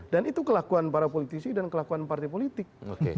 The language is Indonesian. dan itu kelakuan para politisi dan kelakuan partai politik